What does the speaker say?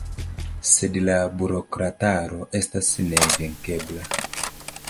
Sed la burokrataro estas nevenkebla.